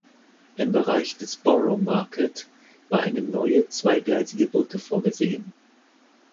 Im Bereich des Borough Market war eine neue zweigleisige Brücke vorgesehen.